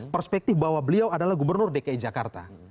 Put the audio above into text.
perspektif bahwa beliau adalah gubernur dki jakarta